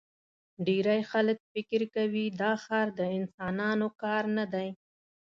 ډېری خلک فکر کوي دا ښار د انسانانو کار نه دی.